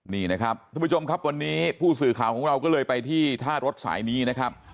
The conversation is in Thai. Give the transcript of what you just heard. นี่นะครับท่านผู้ชมครับวันนี้ผู้สื่อข่าวของเราก็เลยไปที่ท่ารถสายนี้นะครับ